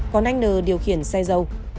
còn anh n điều khiển xe dầu